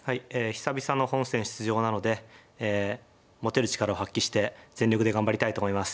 久々の本戦出場なので持てる力を発揮して全力で頑張りたいと思います。